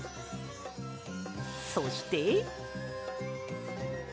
そして。